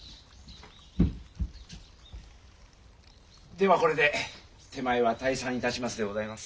ではこれで手前は退散いたしますでございます。